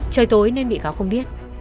trời tối nên bị cáo không biết